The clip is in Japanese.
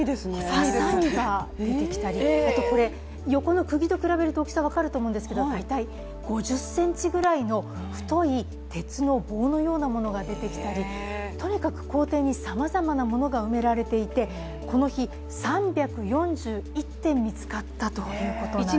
はさみが出てきたりあと横のくぎと比べると大きさ分かると思うんですけど大体５０ｃｍぐらいの太い鉄の棒のようなものが出てきたり、とにかく校庭にさまざまなものが埋められていてこの日、３４１点見つかったということなんですね。